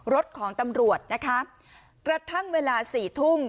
รถของตำรวจนะคะกระทั่งเวลาสี่ทุ่ม